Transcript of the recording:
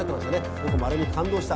僕もあれに感動した。